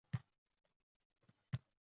Siz yuqsiz-u lekin sizni izlayapman